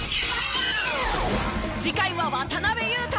次回は渡邊雄太。